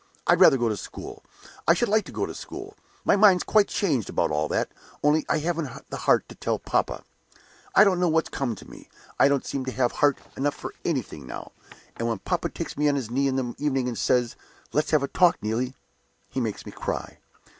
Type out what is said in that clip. I'd rather go to school. I should like to go to school. My mind's quite changed about all that, only I haven't the heart to tell papa. I don't know what's come to me, I don't seem to have heart enough for anything now; and when papa takes me on his knee in the evening, and says, 'Let's have a talk, Neelie,' he makes me cry.